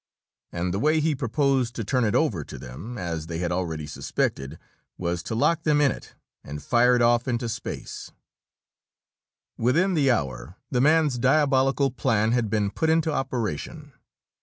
And the way he proposed to turn it over to them, as they had already suspected, was to lock them in it and fire it off into space. Within the hour, the man's diabolical plan had been put into operation.